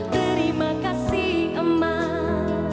terima kasih emang